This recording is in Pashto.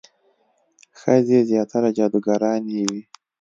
ښځې زیاتره جادوګرانې وي.